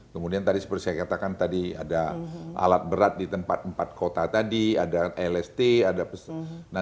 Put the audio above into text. kemudian tadi seperti saya katakan tadi ada alat berat di tempat empat kota tadi ada lst